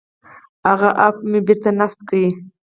هغه اپ مې بېرته نصب کړ.